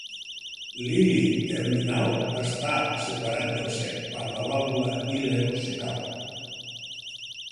L'ili terminal està separat del cec per la vàlvula ileocecal.